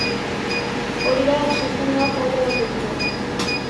Hori da oxigenoa talde batentzat.